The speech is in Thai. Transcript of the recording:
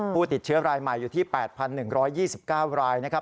ผู้ติดเชื้อรายใหม่อยู่ที่๘๑๒๙รายนะครับ